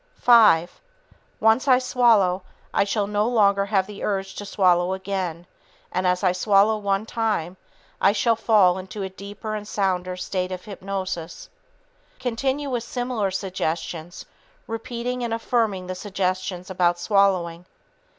Five ... Once I swallow, I shall no longer have the urge to swallow again, and as I swallow one time, I shall fall into a deeper and sounder state of hypnosis." Continue with similar suggestions, repeating and affirming the suggestions about swallowing.